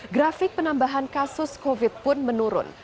grafik penambahan kasus covid pun menurun